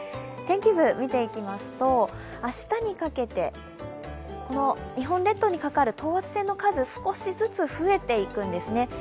天気図、見ていきますと明日にかけてこの日本列島にかかる等圧線の数、少しずつ増えていくんですね。